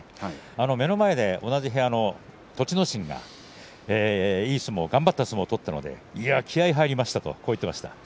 目の前で同じ部屋の栃ノ心がいい相撲、頑張った相撲を取ったので気合いが入りましたという話でした。